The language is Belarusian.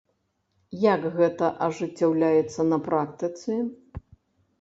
Як гэта ажыццяўлялася на практыцы?